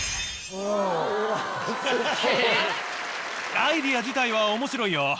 アイデア自体は面白いよ。